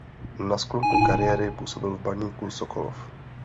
Na sklonku kariéry působil v Baníku Sokolov.